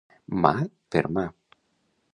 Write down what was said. Mà per mà.